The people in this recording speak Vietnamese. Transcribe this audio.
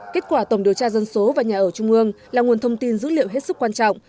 kết quả tổng điều tra dân số và nhà ở trung ương là nguồn thông tin dữ liệu hết sức quan trọng